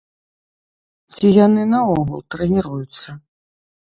Ці яны наогул трэніруюцца?